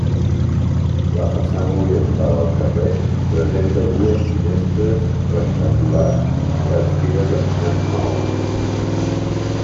La façana orientada al carrer presenta dues finestres rectangulars bastides en maons.